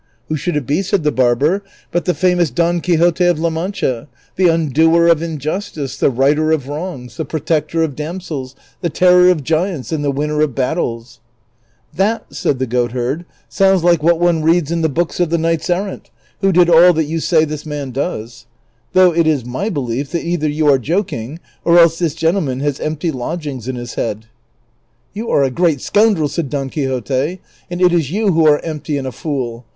" Who should it be," said the barber, " but the famous Don Quixote of La Mancha, the undoer of injustice, the righter of wrongs, the protector of damsels, the terror of giants, and the winner of battles ?"" That," said the goatherd, *' sounds like Avhat one reads in the books of the knights errant, who did all that you say this man does ; though it is my belief that either you are joking, or else this gentleman has empty lodgings in his head." Vol. I. — 28 434 DON QUIXOTE. "Yon are a great scoundrel," said Don Quixote, "and it is you who are empty and a fool.